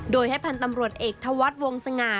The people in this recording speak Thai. โดยให้พันธ์ตำรวจเอกธวัฒน์วงสง่า